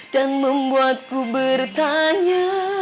dan membuatku bertanya